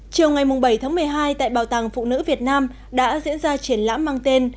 chiều ngày bảy tháng một mươi hai tại bảo tàng phụ nữ việt nam đã diễn ra triển lãm mang tên